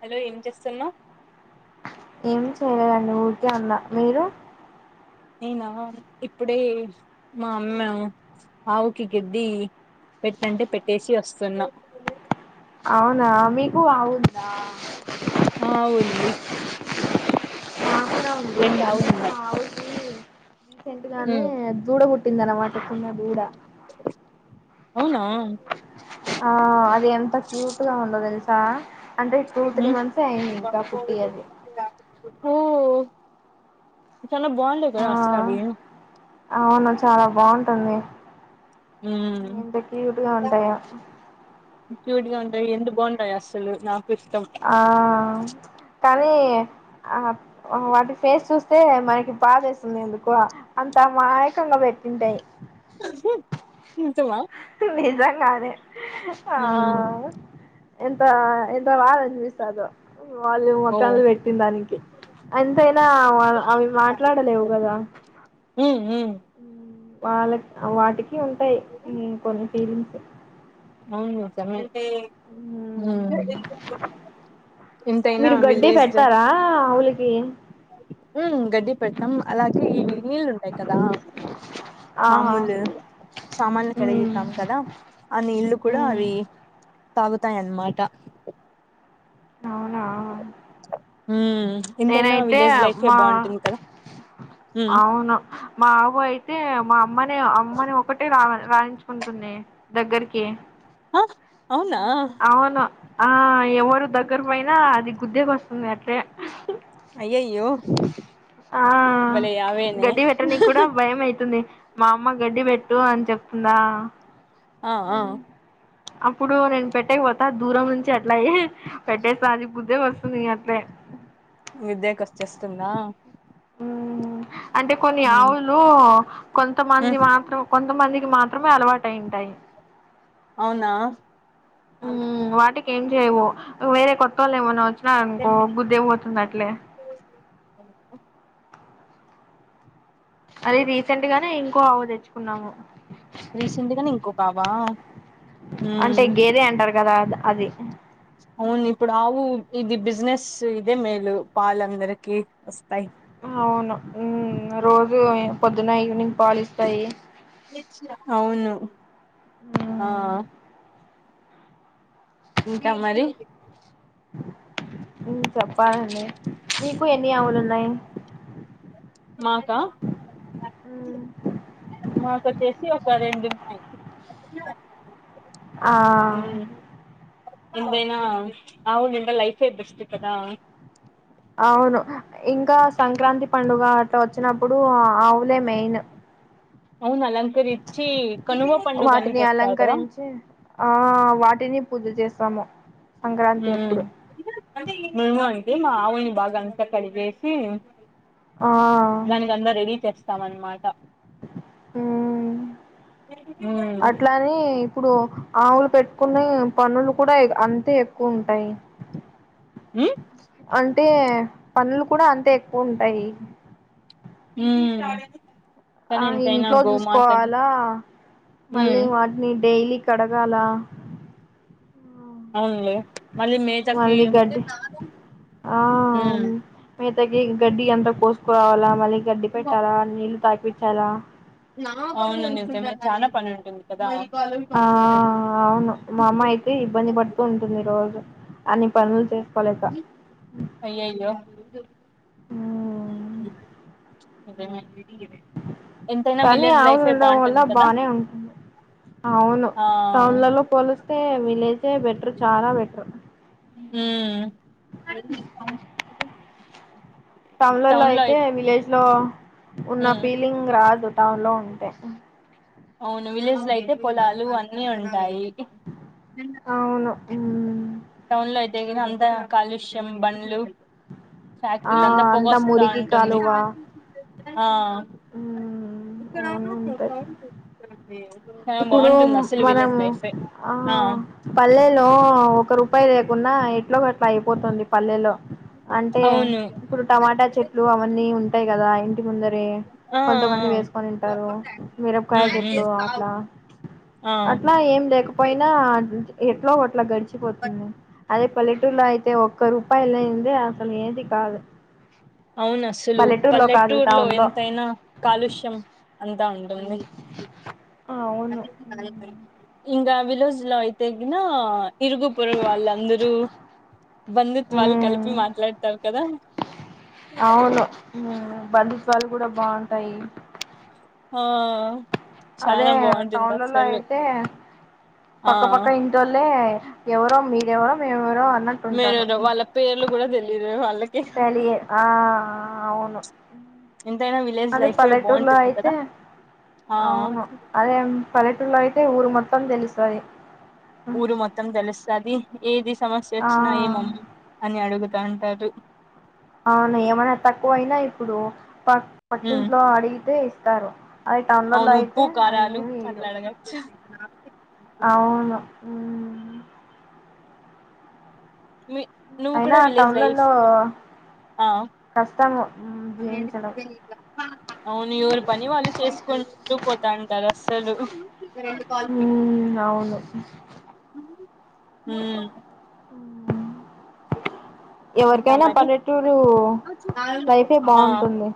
Hello ఏం చేస్తున్నావ్ ఏం చెయ్యలేదండి, ఊరికె ఉన్న మీరు. నేనా, ఇప్పుడే మా అమ్మ ఆవుకి గడ్డి పెట్టంటే పెట్టేసి వస్తున్నా. అవునా, మీకు ఆవుందా. ఆ ఉంది. రెండు [inaudible] అంటే ఆవులు ఉన్నాయి మా ఆవుకి. రీసెంట్ గానే ఉమ్ దూడబుట్. పుట్టిందన్నమాట చిన్న దూడ. అవునా. ఆ అది ఎంతక్. క్యూట్ గా ఉందో దేల్సా. అంటే టూ, త్రీ ఉమ్ మంత్స్ యే అయ్యింది ఇంకా పుట్టి అది. హో. చాలా బావుంటాయి కదా ఆ అసలు అవి. అవును చాలాబ్. బాగుంటుంది, ఉమ్ ఎంత క్యూట్ గా ఉంటాయో. క్యూట్ గా ఉంటాయి, ఎంత బాగుంటాయి అసలు నాక్. ఆ. కానీ ఆ ఆ వాటి ఫేస్ చూస్తే మనకి బాధేస్తుంది ఎందుకో, అంత మాయకంగా పెట్టుంటాయి. [unintelligible] నిజంగానే. ఆ. ఉమ్ ఎంత ఎంత వారం జేస్తాదో. వాళ్ళు ఓ మొఖలు పెట్టిన దానికి, ఎంతైనా అవి మాట్లాడలేవు కదా. ఉమ్ ఉమ్ ఉమ్ వాళ్ళక్, వాటికి ఉంటాయి ఉమ్ కొన్ని ఫీలింగ్స్. అవును నిజమే. ఎంతైనా విలేజ్డ్. కిన్. ఉమ్ గడ్డిపెట్టం, అలాగే ఇవి. నీళ్ళు ఉంటాయి కదా, ఆహా మామూలు సామాన్లు ఉమ్ కడిగితాం కదా, ఆ నీళ్లు కూడా ఉమ్ అవి. తాగుతాయ్ అన్మాట. అవునా. ఉమ్. ఎంతైనా నేనైతే విలేజ్ లైఫే మా బాగుంటుంది కదా ఉమ్ అవును, మా ఆవు అయితే మా అమ్. మ్మనే అమ్మనే ఒకటే రా రాణించుకుంటుంది, దగ్గరికి. ఆహ్ అవునా. అవును ఆ ఎవరు దగ్గర పోయిన, అది గుద్దేకే వస్తుంది అట్లే. అయ్యయ్యో ఆ భలే యావేనే గడ్డి పెట్టనికి కూడా భయం అయితుంది. మా అమ్మ గడ్డి పెట్టు అని చెప్తుందా ఆ ఆ అప్పుడు నేను పెట్టేకపోతా దూరం నుంచి అట్లాయే పెట్టేసి [unintelligible] బుద్దే వస్తుంది అట్నే తుందా అంటే కొన్ని ఆవులు కొంతమంది ఉమ్ మాత్రం కొంతమందికి మా మాత్రమే అలవాటైంటయి అవునా [unintelligible] ఏం చేయము వేరే కొత్తోళ్ళు ఏమన్నా వచ్చ లా అనుకో గుద్దే పోతుంది అట్లే [unintelligible] అది రీసెంట్ గానే ఇంకో ఆవు తెచ్చుకున్నాము రీసెంట్గానే ఇంకోక ఆవా కద త్ అది అవును ఇప్పుడు ఆవు ఇది బిజినెస్ ఇదే మేలు పాలందరికి వ అవును ఉం రోజు పొద్దున్నా ఈవినింగ్ పాలిస్తాయి అవును [inaudible] ఆ ఇంకా మరి చెప్పాలండి మీకు ఎన్ని ఆవులు ఉన్నాయి మాకా మాకచ్చేసి ఒ క రెండున్నాయ్ ఆ ఇందేనా ఆవు నిండ లైఫే బెస్ట్ కదా అవును ఇంకా సంక్రాంతి పండుగ అట్ వచ్చినప్పుడు ఆవులే మెయిన్ అవును అలంకరించి కనుమ పండుగని వాటిని చెస్తారు కదా అలంకరించి ఆ వాటిని పూజ చేసాము ఉం [inaudible] ద మా ఆవుని బాగా అంతా కడిగేసి ఆ దానికందా రెడి చేస్త స్తమన్మాట హ్మ్ ఉమ్ అట్లాని ఇప్పుడు ఆవులు పెట్టుకునే పనులు కూడా అంతే ఎక్కువ ఉంటాయి ఉమ్ అంటే పనులు కూడా అంతే ఎక్కువ ఉంటాయి ఉమ్ ఆ కానీ ఎంతైనా ఇంట్లో గోమాతని చూసుకోవాలా మళ్ళీ ఉమ్ వాటిని డైలీ కడగాలా అవునులే మళ్ళీ మళ్ళ మేతకి గడ్డి ఆ ఉమ్ మేతకి గడ్డి ఎంత కోస్త కోవాల మళ్ళి గడ్డి పెట్టాలా నీళ్లు తాపి చలా అవును నిజమే చాలా పని ఉంటుంది కదా ఆ అవును మా అమ్మ అయితే ఇబ్బంది పడుతూ ఉంటుంది రోజు అని పనులు చేసుకోలేక అయ్యయ్యో మ్మ్. [inaudible] అదే కానీ ఆవులు ఉండడం వల్ల కదా బానే ఉంటుంది అవును ఆ టౌన్లలో పోలిస్తే విలేజే బెటర్ చాలా బెటర్ ఉమ్ టౌన్ల లో అయితే విలేజ్ లో ఉన్న ఉమ్ ఫీలింగ్ రాదు టౌన్ లో ఉంటే అవును విలేజ్ లో అయితే పొలాలు అన్ని ఉంటాయి అవును ఉమ్ టౌన్ లో అయితే అంత కాలుష్యం బండ్లు ఆ ఫ్యాక్టరీలంతా అంతా పొగొస్తా మురికి ఉంటుంది ఆ హ్మ్ కనా మత ఏ ఇప్పుడు మనం ఆ పల్లెలో ఒక రూ పాయి లేకున్నా ఎట్లో ఒకట్లా అయిపోతుంది పల్లెలో అంటే అవును ఇప్పుడు టమాటా చెట్లు అవన్నీ ఉంటా ఉంటే కదా య్ ముందరి ఆ ఆ కొంతమంది ఆ వేసుకొనింటారు మిరపకాయ ఉమ్, చెట్లు ఉమ్. అట్లా ఆ, అట్లా ఏం లేకపోయినా ఎట్లో ఒకట్లా గర్ చ్చపోతుంది అదే పల్లెటూరులో అయితే అతే ఒక్క రూపాయలంది అసలు ఏది కాదు అవును అసలు కాదు పల్లెటూరులో టౌన్ లో ఎంతైనా కాలుష్యం అంతా ఉంటుంది అ ఇకా వి రోజు లో అయితేగిన ఇరుగు పొరుగు వాళ్ళందరూ బంధుత్వాలు కలిపి ఉమ్ మాట్లాడతారు కదా అవును బంధుత్వాలు కూడా బాగుంటాయి ఆ అదే చానా బాగుంటుంది టౌన్లలో అసలు అయితే ఆ పక్కపక్క ఇట్ వాళ్ళ ఎవరో మీ మీరు వాళ్ళ పేర్లు కూడా తెలియదు వాళ్ళ తెలియే ఆ అవును ఎంతైనా విలేజ్ అదే లైఫే పల్లెటూరులో బాగుంటుంది అయితే కదా ఆ అవును అదే పల్లెటలో అయితే ఊరు మొత్తం తెలిసాయి ఊరు మొత్తం తెలుస్తుది ఏది సమస్య ఆ వచ్చినా ఏ మమ్మ అని అడుగుతా అంటారు అవునా ఏమనా తక్కువ అయినా ఇప్పుడు ప ఉమ్ పట్టింట్లో అడిగితే తారు అది టౌన్ల లో అవును అయితే ఉప్పు అవి కారాలు ఏమి వయదు అట్లా అడగచ్చు అవును ఉమ్ నువ్వు అయినా కూడా విలేజ్ లైఫ్ టౌన్లలో లో కష్టం జీవించడం అవునురు పని వాళ్ళు చేసుకుంటూ పో దండ రస్సలు రె కాల్ మ్మ్ అవును ఎవరికైనా మరి పల్లెటూరు లైఫే బాగుంటుంది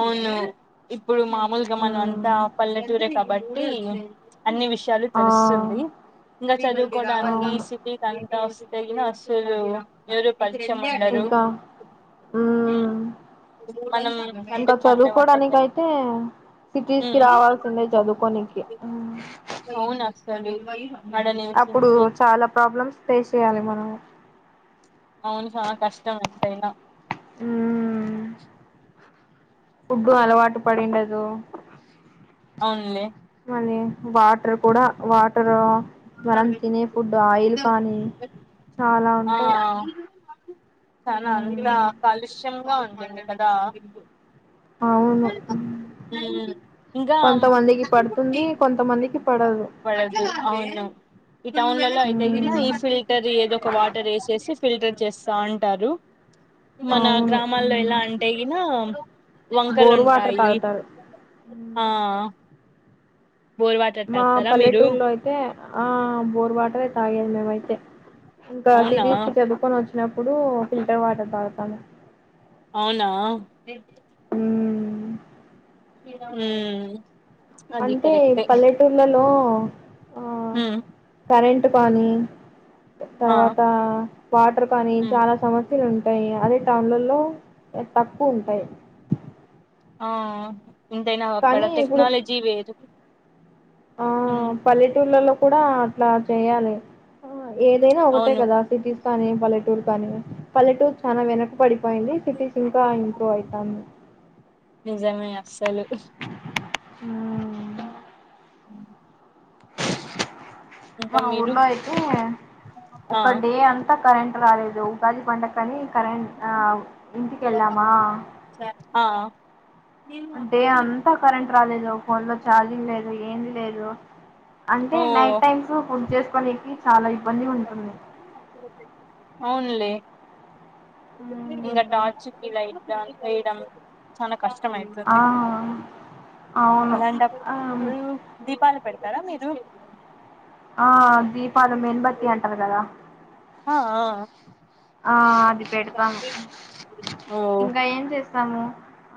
అవును ఇప్పుడు మామూలుగామన్ మ్మ్ అంతా పల్ెటూర క బండి ఉమ్. అన్ని విషయాలు ఆ తెలుస్తుంది ఇంకా చదువుకోనికి అవును సిటీ టై. [unintelligible] మీరు. ఇంకా, ఉమ్ మనం ఇంకా అందుకు మనమే వంట చదువుకోడానికి చేసు అయితే, సిటీస్ కి రావాల్సిందే, చదువుకోనికి. [unintelligible] అప్పుడు, నివసించి చాలా ప్రాబ్లమ్స్. పేస్ చేయాలి మనము. అవును, చా కష్టం అంతైనా. ఉమ్ ఉగ్గు అలవాటు పడిండదు. అవునులే. వాటర్ కూడా వాట్. ర్ మనం తినే ఫుడ్ ఆయిల్ కానీ, చాలా ఆ ఉంటాయి, ఉమ్. బాగుటుంది కదా. అవును ఉమ్ ఇంకా కొంతమందికి పడుతుంది కొంతమందికి పడదు పడదు అవును, ఈ టౌన్లలో అయితే, మ్మ్ ఇ ఫిల్టర్ ఏదో ఒక వాటర్ ఎసేసి ఫిల్టర్. చెస్తా అంటారు. మన అవును గ్రామాల్లో, మ్మ్ ఎలా అంటే గినా. బోర్ వాటర్ ఎముకలుంటాయి, తాగుతారు ఆ. మ్మ్ బోర్ వాటర్ మా తాగుతారా మీరు పల్లెటూర్లో అయితే, ఆ బోరు వాటరె తాగేది. మానమైతే. ఇంకా అవునా తీస్కిజా చదుకోనచ్చు. చిన్నప్పుడూ ఫిల్టర్ వాటర్ తాగుతాము. అవునా. ఉమ్. ఉమ్. అంటే పల్లెటూర్లలో. [inaudible] ఉమ్. కరెంట్ పానీ. ఆ తర్వాత వాటర్ కానీ, మ్మ్ చాలా సమస్యలు ఉ. అదే టౌన్లలో తక్కువ ఉంటాయి. ఆ. ఎంతైనా అక్కడ కానీ ఇప్పుడు టెక్నాలజీ వేరు. ఆ మ్మ్ పల్లెటూలో లో. కూడా అట్లా చేయాలి. ఏదైనా ఒకటే అవును కదా, సిటీస్ కానీ పాల్లె. పూ కానీ పల్లెటూర్ చాలా వెనట్ పడిపోయింది సిటీస్ ఇంక ఇంప్రూవ్ అవుతాంది నిజమే అస్సలు ఉ అ మా మీరు ఊర్లొ అయితే ఆ ఒక డే అంత కరెంట్ రాలెదు ఉగాది పండక్కని కరెంట్ ఆ ఇంటికి వెళ్ళామా ఆ అంటే అంత కరెంట్ రాలేదు ఫోన్ లో ఛార్జింగ్ లేదు ఏమి లేదు రో అంటే ఓ నైట్ టైమ్స్ ఫుడ్ చేసుకోనేకి చాల ఇబ్బంది ఉంటుంది అవునులే ఇంగ టార్చ్ కి లైట్ జాబ్ చేయడం చాల కష్టం ఆ అవును అలాంటప్పుడ ఆ దీపాల్ పెట్ స్తర మీరు ఆ దీపాలు మెన్బత్తి అంటరు కదా ఆ ఆ ఆ ఇట్ల యెడతాం ఓ ఇంక ఏమ్ చె తము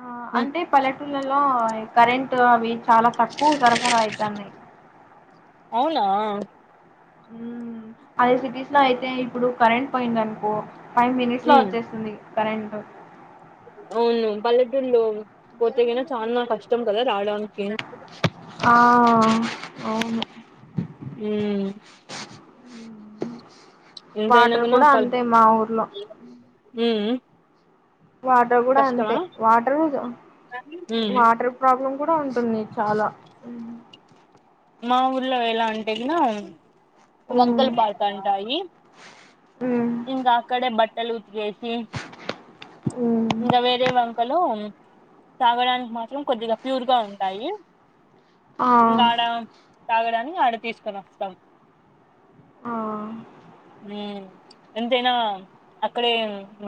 ఆ మ్మ్ అంటె పల్లెటూళ్లలో కరెంట్ అవి చాలా తక్కువ సరఫరా అయితాందియి అవునా ఉమ్ అదే సిటీస్ లో అయితే ఇప్పుడు కరెంట్ పోయిందనుకో ఫైవ్ మినిట్స్లో మ్మ్ వచ్చేస్తుంది కరెంట్ అవును పల్లెటూర్లో పోతే గిన చాల్నా కష్టం కదా రావడానికి ఆ అవును ఉమ్ ఎంతైనా వాటర్ గిన కూడ పల్ అంతె మా ఊర్లో ఉమ్ వాటర్ కూడా అంతే కష్టమా వాట్ర్ ఉమ్ వాటర్ ప్రాబ్లమ్ కూడా ఉంటుంది చాలా హ్మ్మ్ మా ఊర్లో ఎలా ఉంటే గిన వంకల్ హ్మ్ పాట అంటాయి హ్మ్ ఇంకా అక్కడ బట్ ట్టలు ఉత్కేసి హ్మ్ ఇంకా వేరే వంకలు తాగడానికి మాత్రం కొద్దిగా ప్యూర్ గా ఉంటాయి ఆ ఇంగాడ తాగడానికి ఆడ తీసుకొని వస్తాం ఆ హ్మ్మ్ ఎంతైనా అక్కడే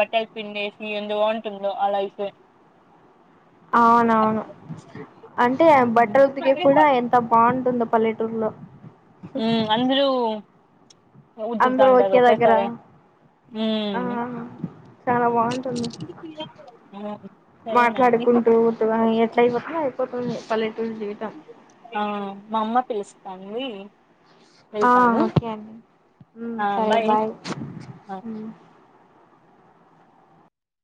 బట్టలు పిండేసి ఏందో బాగుంటుందో ఆలోచిస్తే అవునవును అంటే బట్టలు దిగే కూడా ఎంత బాగుంటుందో పల్లెట టూర్లో మ్మ్ అంద్రూ అందరు ఒకే దగ్గర ఆ ఉమ్ చాలా బాగుంటుంది ఉమ్, సరేనండి మాట్లాడుకుంటూ [unintelligible] అట్ అయిపోతుంది అయిపోతుంది పల్లెటూరి జీవితం ఆ మా అమ్మ పిలుస్తాంది ఆ వెళ్తాను ఓకే అండి హ్మ్మ్ సరే బాయ్ ఆ హ్మ్మ్